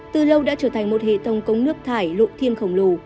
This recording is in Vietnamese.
từ lâu đã trở thành một hệ tông cống nước thải lộ thiên khổng lồ